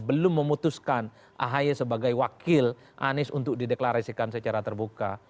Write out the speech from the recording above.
belum memutuskan ahy sebagai wakil anies untuk dideklarasikan secara terbuka